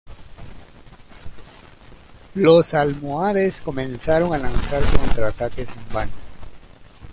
Los almohades comenzaron a lanzar contraataques en vano.